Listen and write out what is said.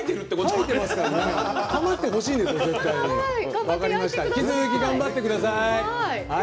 引き続き頑張ってください。